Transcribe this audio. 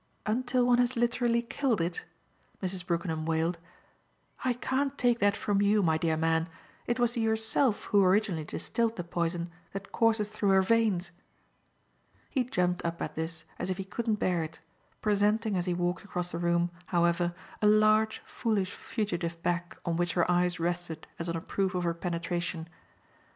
"Until one has literally killed it?" Mrs. Brookenham wailed. "I can't take that from you, my dear man: it was yourself who originally distilled the poison that courses through her veins." He jumped up at this as if he couldn't bear it, presenting as he walked across the room, however, a large foolish fugitive back on which her eyes rested as on a proof of her penetration.